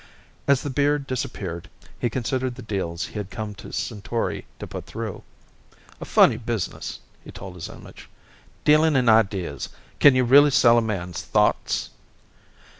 As the beard disappeared, he considered the deals he had come to Centauri to put through. "A funny business!" he told his image. "Dealing in ideas! Can you really sell a man's thoughts?"